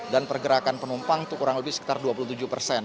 dan pergerakan penumpang itu kurang lebih sekitar dua puluh tujuh persen